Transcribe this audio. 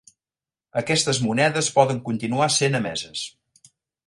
Aquestes monedes poden continuar sent emeses.